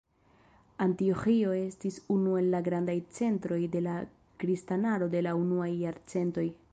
Antioĥio estis unu el la grandaj centroj de la kristanaro de la unuaj jarcentoj.